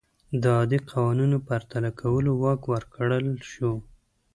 د عادي قوانینو پرتله کولو واک ورکړل شو.